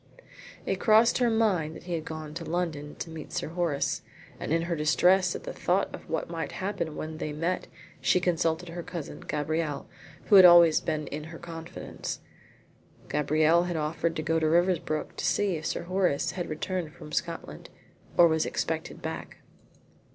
It crossed her mind that he had gone up to London to meet Sir Horace, and in her distress at the thought of what might happen when they met she consulted her cousin Gabrielle, who had always been in her confidence. Gabrielle had offered to go to Riversbrook to see if Sir Horace had returned from Scotland, or was expected back.